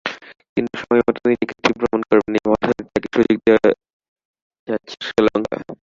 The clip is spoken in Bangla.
কিন্তু সময়মতো নিজেকে ঠিকই প্রমাণ করবেন—এই ভরসাতেই তাঁকে সুযোগ দিয়ে যাচ্ছে শ্রীলঙ্কা।